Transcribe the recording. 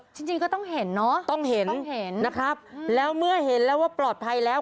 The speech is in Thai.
จริงจริงก็ต้องเห็นเนอะต้องเห็นต้องเห็นนะครับแล้วเมื่อเห็นแล้วว่าปลอดภัยแล้ว